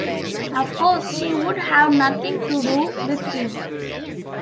Of course, she would have nothing to do with him.